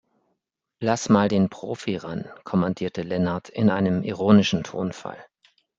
"Lass mal den Profi ran", kommandierte Lennart in einem ironischen Tonfall.